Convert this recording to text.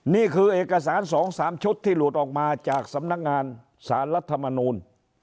นี่คือเอกสาร๒๓ชุดที่หลุดออกมาจากสำนักงานสารรัฐมนูล